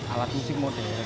alat musik modern